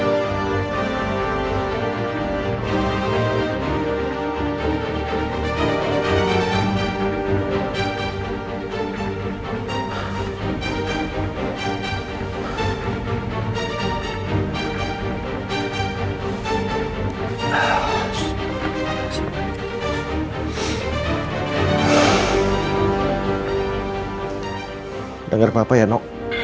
kamu denger apa apa ya no